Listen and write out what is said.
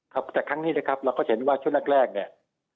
ครับแต่ครั้งนี้นะครับเราก็จะเห็นว่าชุดแรกเนี่ย